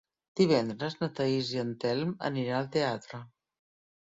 Divendres na Thaís i en Telm aniran al teatre.